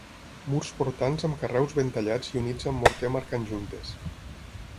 Murs portants amb carreus ben tallats i units amb morter marcant juntes.